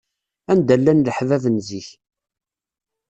Anda llan leḥbab n zik.